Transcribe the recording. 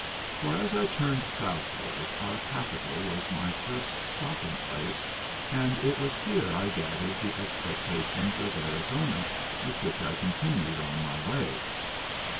For as I turned southward our capital was my first stopping place, and it was here I gathered the expectations of Arizona with which I continued on my way.